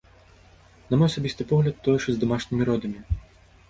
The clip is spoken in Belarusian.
На мой асабісты погляд, тое ж і з дамашнімі родамі.